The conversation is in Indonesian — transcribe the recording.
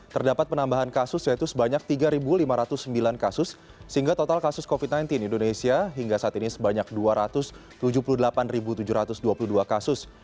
terdapat penambahan kasus yaitu sebanyak tiga lima ratus sembilan kasus sehingga total kasus covid sembilan belas di indonesia hingga saat ini sebanyak dua ratus tujuh puluh delapan tujuh ratus dua puluh dua kasus